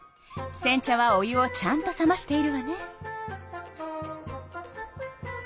せん茶はお湯をちゃんと冷ましているわね。